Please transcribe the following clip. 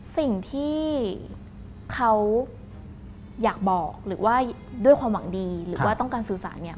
สิ่งที่เขาอยากบอกหรือว่าด้วยความหวังดีหรือว่าต้องการสื่อสารเนี่ย